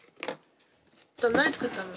何作ったの？